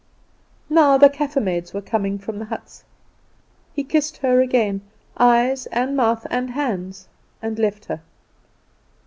Now the Kaffer maids were coming from the huts. He kissed her again, eyes and mouth and hands, and left her.